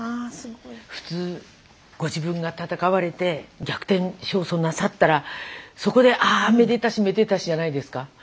普通ご自分が闘われて逆転勝訴なさったらそこでああめでたしめでたしじゃないですか。